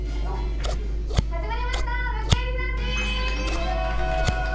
始まりました、「物件リサーチ」。